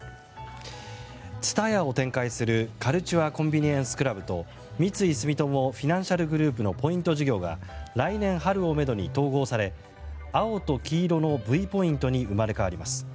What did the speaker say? ＴＳＵＴＡＹＡを展開するカルチュア・コンビニエンス・クラブと三井住友フィナンシャルグループのポイント事業が来年春をめどに統合され青と黄色のＶポイントに生まれ変わります。